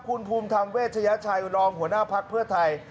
คุณภูมิธรรมเวชยชัยรองหัวหน้าภักดิ์เพื่อไทย